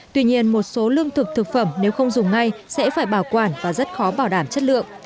tuy nhiên một số lương thực thực phẩm nếu không dùng ngay sẽ phải bảo quản và rất khó bảo đảm chất lượng